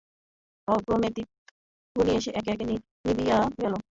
ক্রমে দীপগুলি একে একে নিবিয়া গেল।